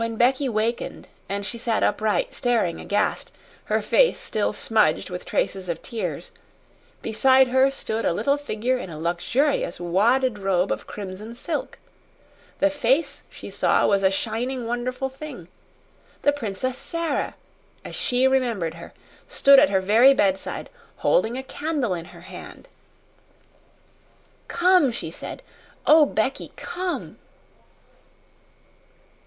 When Becky wakened, and she sat upright staring aghast, her face still smudged with traces of tears, beside her stood a little figure in a luxurious wadded robe of crimson silk. The face she saw was a shining, wonderful thing. The Princess Sara as she remembered her stood at her very bedside, holding a candle in her hand. "Come," she said. "Oh, Becky, come!"